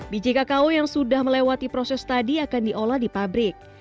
biji kakao yang sudah melewati proses tadi akan diolah di pabrik